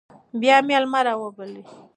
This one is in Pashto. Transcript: بیا میلمه راوبلئ.